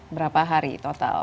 berapa hari total